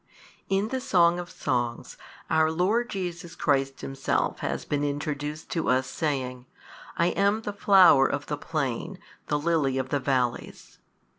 In the Song of Songs our Lord Jesus Christ Himself has been introduced to us saying, I am the flower of the plain, the lily of the vallies.